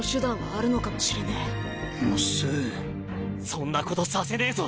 そんなことさせねえぞ。